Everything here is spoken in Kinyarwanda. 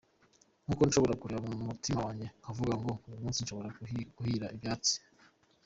Nk’uko nshobora kureba mu murima wanjye nkavuga ngo uyu munsi nshobora kuhira ibyatsi.